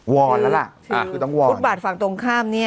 วอนแล้วล่ะคือต้องวอนฟุตบาทฝั่งตรงข้ามเนี่ย